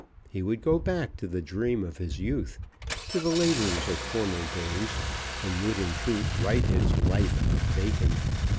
He would go back to the dream of his youth, to the labours of former days, and would in truth write his Life of Bacon.